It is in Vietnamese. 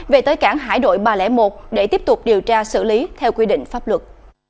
về tới cảng hải đội ba trăm linh một để tiếp tục điều tra xử lý theo quy định pháp luật